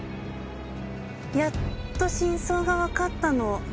やっと真相がわかったの。